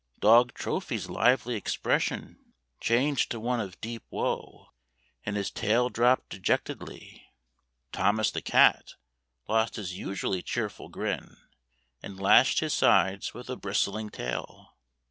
'' Dog Trophy's lively expression changed to one of deep woe, and his tail dropped de jectedly. Thomas the cat lost his usually cheerful grin, and lashed his sides with a bristling tail.